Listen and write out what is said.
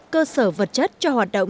cơ sở vật chất cho hoạt động